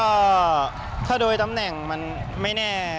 ก็ถ้าโดยตำแหน่งมันไม่แน่